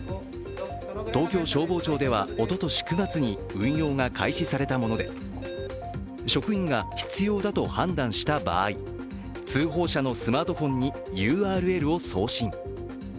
東京消防庁ではおととし９月に運用が開始されたもので、職員が必要だと判断した場合通報者のスマートフォンにＵＲＬを送信。